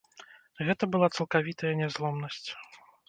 Гэта была цалкавітая нязломнасць.